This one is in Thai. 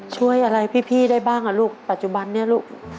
ช่วยอะไรพี่ได้บ้างอ่ะลูกปัจจุบันนี้ลูก